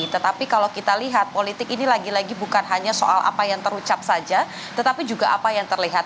tetapi kalau kita lihat politik ini lagi lagi bukan hanya soal apa yang terucap saja tetapi juga apa yang terlihat